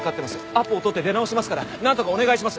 アポを取って出直しますからなんとかお願いします！